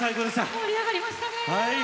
盛り上がりました。